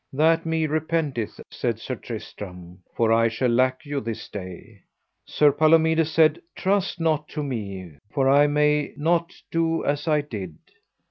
That me repenteth, said Sir Tristram, for I shall lack you this day. Sir Palomides said: Trust not to me, for I may not do as I did.